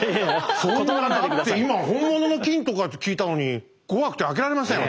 そんなだって今本物の金とかって聞いたのに怖くて開けられません私。